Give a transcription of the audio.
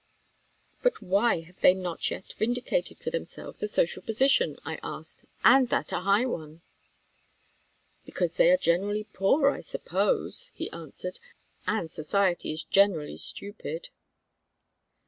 "But why have they not yet vindicated for themselves a social position," I asked, "and that a high one?" "Because they are generally poor, I suppose," he answered; "and society is generally stupid."